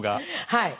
はい。